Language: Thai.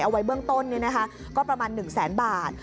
เอาไว้เบื้องต้นก็ประมาณ๑แสนบาท